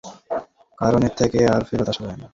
কারণ এর থেকে আর ফেরত আসা যায় না।